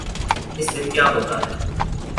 اس دن کیا ہوتاہے۔